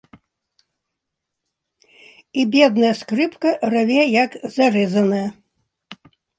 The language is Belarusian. І бедная скрыпка раве, як зарэзаная.